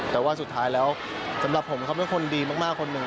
แต่ว่าสุดท้ายแล้วสำหรับผมเขาเป็นคนดีมากคนหนึ่ง